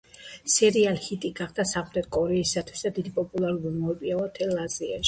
სერიალი ჰიტი გახდა სამხრეთი კორეისთვის და დიდი პოპულარობა მოიპოვა მთელ აზიაში.